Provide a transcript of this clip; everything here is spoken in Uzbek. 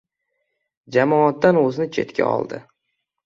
Jamoatdan o‘zini chetga oldi.